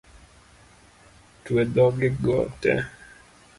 Twe dhoge go tee